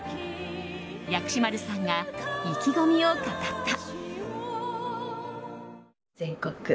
薬師丸さんが意気込みを語った。